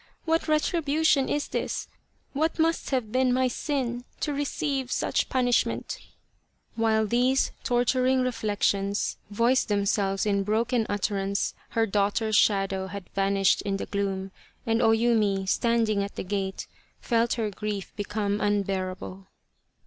What retribution is this ! What must have been my sin to receive such punishment !" While these torturing reflections voiced themselves 27 The Quest of the Sword in broken utterance her daughter's shadow had vanished in the gloom, and O Yumi, standing at the gate, felt her grief become unbearable.